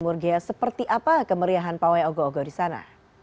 murgea seperti apa kemeriahan pawai ogo ogo di sana